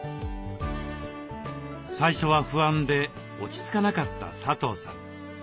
最初は不安で落ち着かなかった佐藤さん。